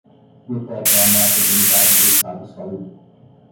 Netek é uma marca de unidade de estado sólido